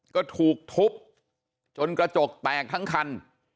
ก็ถูกทุบจนกระจกแตกทั้งคัน